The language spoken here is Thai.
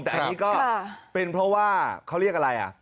แต่อันนี้ก็เป็นเพราะว่าเขาเรียกอะไรอ่ะ